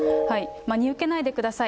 真に受けないでください。